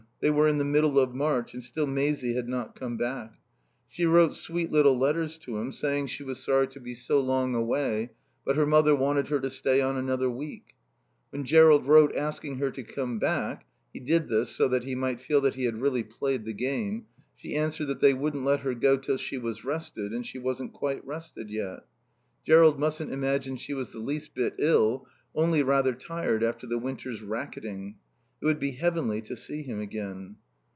They were in the middle of March, and still Maisie had not come back. She wrote sweet little letters to him saying she was sorry to be so long away, but her mother wanted her to stay on another week. When Jerrold wrote asking her to come back (he did this so that he might feel that he had really played the game) she answered that they wouldn't let her go till she was rested, and she wasn't quite rested yet. Jerrold mustn't imagine she was the least bit ill, only rather tired after the winter's racketing. It would be heavenly to see him again.